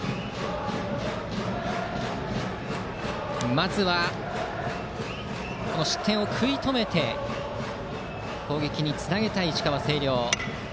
まずは失点を食い止めて攻撃につなげたい石川・星稜。